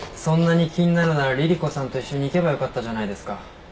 そんなに気になるなら凛々子さんと一緒に行けばよかったじゃないですか。